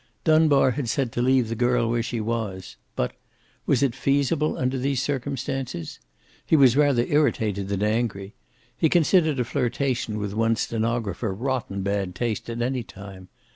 Dunbar had said to leave the girl where she was. But was it feasible under these circumstances? He was rather irritated than angry. He considered a flirtation with one's stenographer rotten bad taste, at any time.